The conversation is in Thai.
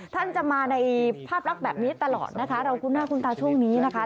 ท่านจะมาในภาพลักษณ์แบบนี้ตลอดนะคะเราคุ้นหน้าคุณตาช่วงนี้นะคะ